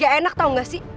gak enak tau gak sih